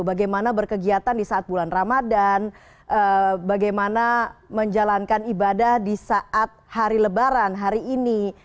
bagaimana berkegiatan di saat bulan ramadan bagaimana menjalankan ibadah di saat hari lebaran hari ini